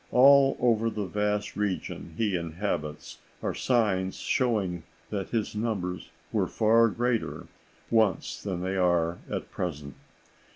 All over the vast region he inhabits are signs showing that his numbers were far greater once than they are at present.